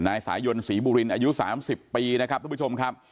นายสายยนธ์ศรีบุรินช์อายุ๓๐ปีนะครับทุกค่ะ